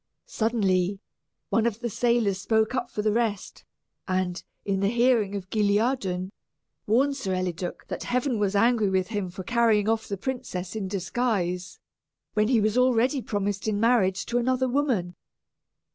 Suddenly, one of the sailors spoke up for the rest, and, in the hearing of Guilliadun, warned Sir Eliduc that Heaven was angry with him for carrying off the princess in disguise, when he was already promised in marriage to another woman.